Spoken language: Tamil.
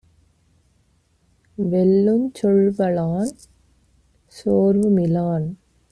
வெல்லுஞ் சொல்வலான், சோர்வு மிலான்